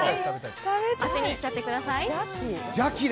当てに行っちゃってください。